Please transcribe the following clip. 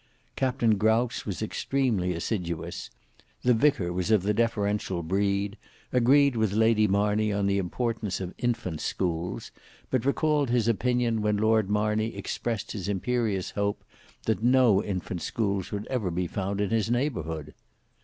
Captain Grouse was extremely assiduous: the vicar was of the deferential breed, agreed with Lady Marney on the importance of infant schools, but recalled his opinion when Lord Marney expressed his imperious hope that no infant schools would ever be found in his neighbourhood.